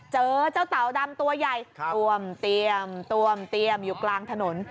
เจอเจ้าเต่าดำตัวใหญ่ตวมเตรียมตวมเตียมอยู่กลางถนน